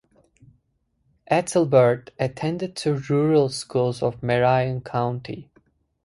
Ethelbert attended the rural schools of Marion County.